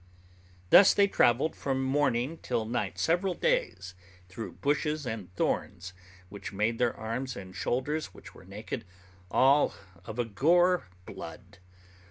Thus they travelled from morning till night several days, through bushes and thorns, which made their arms and shoulders, which were naked, all of a gore blood.